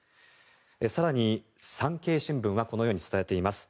更に、産経新聞はこのように伝えています。